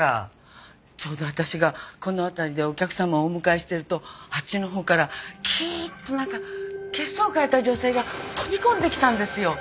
ちょうど私がこの辺りでお客様をお迎えしてるとあっちのほうからキーッとなんか血相を変えた女性が飛び込んできたんですよ。